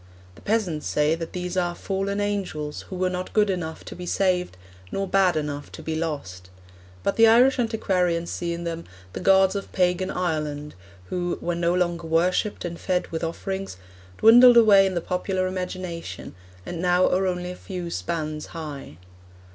The peasants say that these are 'fallen angels who were not good enough to be saved, nor bad enough to be lost'; but the Irish antiquarians see in them 'the gods of pagan Ireland,' who, 'when no longer worshipped and fed with offerings, dwindled away in the popular imagination, and now are only a few spans high.'